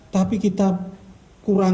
tapi kita melakukan